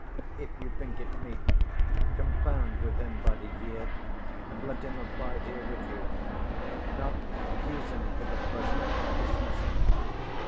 If you think it meet, compound with 20 him by the year, and let him abide here with you; if not, use him for the present, and dismiss him.